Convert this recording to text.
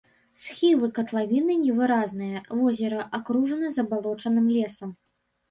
Схілы катлавіны невыразныя, возера акружана забалочаным лесам.